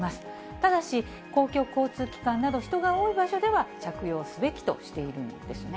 ただし、公共交通機関など人が多い場所では着用すべきとしているんですね。